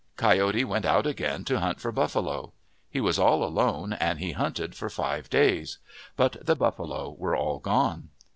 Coyote went out again to hunt for buffalo. He was all alone and he hunted for five days. But the buffalo were all gone.